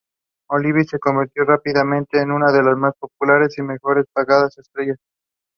Ten days later he signed his first professional contract.